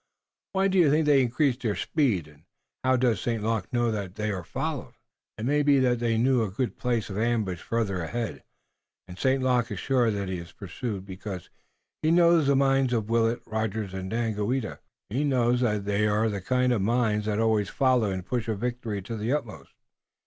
Why do you think they increased their speed, and how does St. Luc know that they are followed?" "It may be that they know a good place of ambush farther ahead, and St. Luc is sure that he is pursued, because he knows the minds of Willet, Rogers and Daganoweda. He knows they are the kind of minds that always follow and push a victory to the utmost.